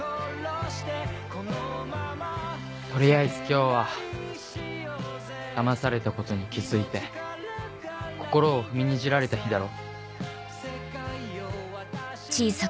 取りあえず今日はだまされたことに気付いて心を踏みにじられた日だろ？